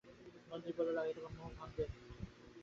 সন্দীপ বললে, আগে তোমার মোহ ভাঙবে, তারপরে আমি বলব।